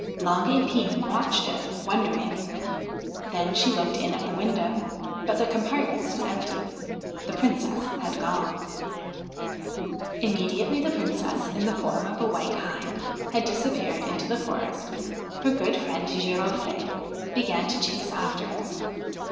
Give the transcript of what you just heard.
Long Epine watched it, wondering. Then she looked in at the window, but the compartment was empty. The Princess had gone ! Immediately the Princess, in the form of a white hind, had disappeared into the forest, her good friend Giroflee began to chase after her.